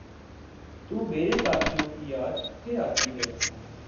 تو مرے ساتھیوں کی یاد پھرآتی ہے۔